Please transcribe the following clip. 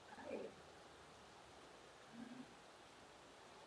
V obci žije přes pět tisíc obyvatel.